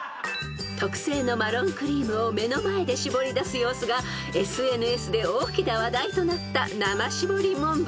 ［特製のマロンクリームを目の前で搾り出す様子がＳＮＳで大きな話題となった生搾りモンブラン］